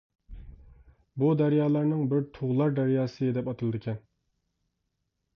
بۇ دەريالارنىڭ بىر تۇغلار دەرياسى دەپ ئاتىلىدىكەن.